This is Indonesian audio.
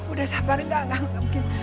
udah sabar enggak mungkin